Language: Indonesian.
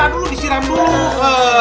disiram dulu ke